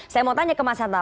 saya mau tanya ke mas hanta